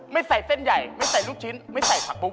ไม่ใส่เส้นใหญ่ไม่ใส่ลูกชิ้นไม่ใส่ผักปุ๊